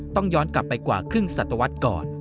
ต้องย้อนกลับไปกว่าครึ่งสัตวรรษก่อน